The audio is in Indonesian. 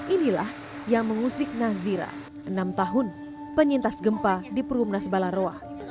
inilah yang mengusik nazira enam tahun penyintas gempa di perumnas balaroa